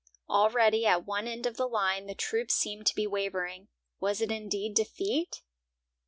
Already at one end of the line the troops seemed to be wavering. Was it indeed defeat?